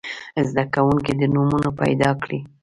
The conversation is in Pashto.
زده کوونکي دې نومونه پیداکړي.